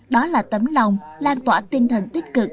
đó là tấm lòng lan tỏa tinh thần tích cực